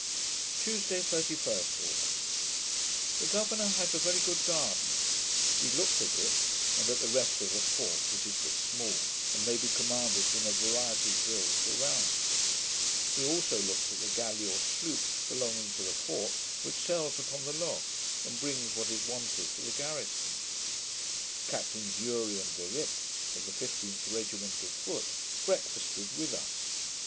Tuesday, 31st August The governour has a very good garden. We looked at it, and at the rest of the fort, which is but small, and may be commanded from a variety of hills around. We also looked at the galley or sloop belonging to the fort, which sails upon the Loch, and brings what is wanted for the garrison. Captains Urie and Darippe, of the 15th regiment of foot, breakfasted with us.